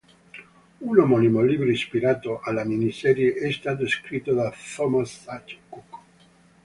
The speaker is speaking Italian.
Un omonimo libro ispirato alla miniserie è stato scritto da Thomas H. Cook.